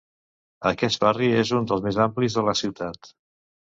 Aquest barri és un dels més amplis de la ciutat.